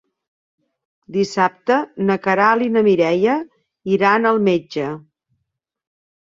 Dissabte na Queralt i na Mireia iran al metge.